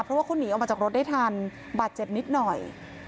เพราะว่าเขาหนีออกมาจากรถได้ทันบาดเจ็บนิดหน่อย